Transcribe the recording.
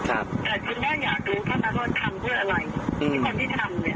ทำเพื่ออะไรที่คนที่ทำเนี่ยมันต้องการอะไรถามที่ต้องการเงินเท่าไหร่อืม